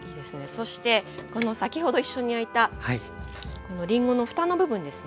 そして先ほど一緒に焼いたこのりんごのふたの部分ですね